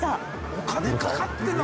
お金かかってんな